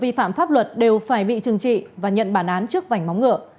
vi phạm pháp luật đều phải bị trừng trị và nhận bản án trước vảnh móng ngựa